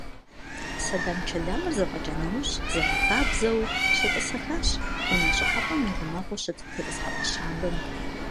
Сэлам-чэламыр зэфӀэкӀа нэужь, зэрахабзэу, щетӀысэхащ унэ щӀыхьэпӀэм и гъунэгъуу щыт тетӀысхьэпӏэ щабэм.